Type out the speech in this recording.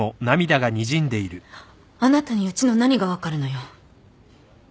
あなたにうちの何が分かるのよ。